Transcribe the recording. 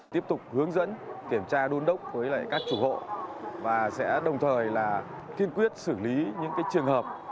tiếp tục hướng dẫn kiểm tra đôn đốc với các chủ hộ và sẽ đồng thời là kiên quyết xử lý những trường hợp